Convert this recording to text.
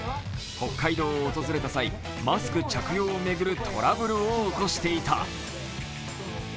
北海道を訪れた際マスク着用を巡るトラブルを起こしていた。